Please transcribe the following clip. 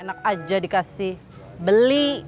enak aja dikasih beli